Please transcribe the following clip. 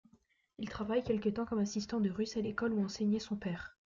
Il travaille quelque temps comme assistant de russe à l'école où enseignait son père.